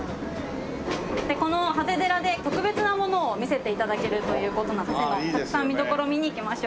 この長谷寺で特別なものを見せて頂けるという事なので長谷のたくさん見どころ見に行きましょう。